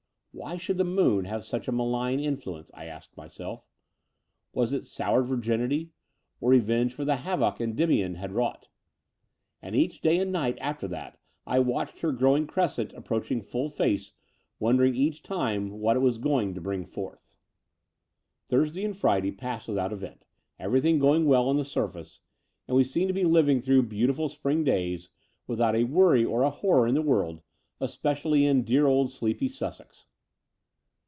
Why should the moon have such a malign influence, I asked myself? Was it soured virginity, or revenge for the havoc Endymion had wrought? And each day and night after that I watched her growing crescent approaching full face, won dering each time what it was going to bring forth. Between London and Clymping 171 XII Thursday and Friday passed without event, everything going well on the surface; and we seemed to be living through beautiful spring days without a worry or a horror in the world, especially in dear old sleepy Sussex.